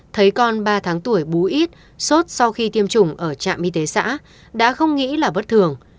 thấy con ba tháng tuổi bú ít sốt sau khi tiêm chủng ở trạm y tế xã đã không nghĩ là bất thường